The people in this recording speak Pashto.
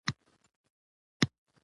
مږور د زوی مېرمني ته ويل کيږي.